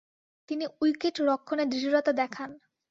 তিনি উইকেট-রক্ষণে দৃঢ়তা দেখান।